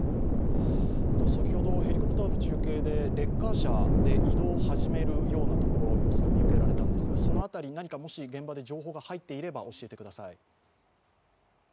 先ほどヘリコプターの中継でレッカー車で移動を始めるような様子が見受けられたんですがその辺り、何かもし、現場で情報が入っていれば教えてください。